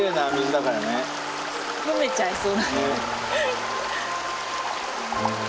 飲めちゃいそうな。